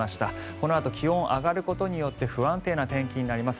このあと気温が上がることによって不安定な天気になります。